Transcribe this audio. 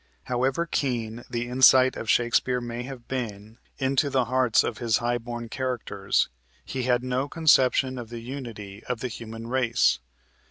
However keen the insight of Shakespeare may have been into the hearts of his high born characters, he had no conception of the unity of the human race.